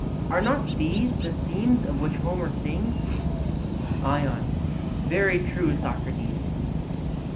Are not these the themes of which Homer sings? ION: Very true, Socrates.